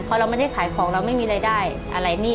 พอเราไม่ได้ขายของเราไม่มีรายได้อะไรหนี้